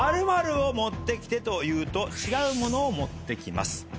「○○を持ってきて」と言うと違う物を持ってきます。